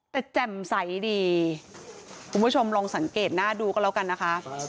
แต่แจ่มใสดีคุณผู้ชมลองสังเกตหน้าดูกันแล้วกันนะคะ